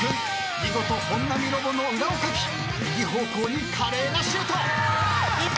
見事本並ロボの裏をかき右方向に華麗なシュート］